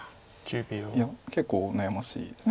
いや結構悩ましいです。